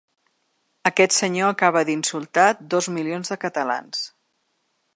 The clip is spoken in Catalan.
Aquest senyor acaba d’insultar dos milions de catalans.